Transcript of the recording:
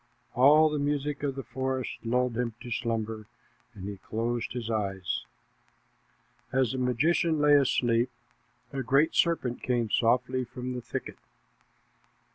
All the music of the forest lulled him to slumber, and he closed his eyes. As the magician lay asleep, a great serpent came softly from the thicket.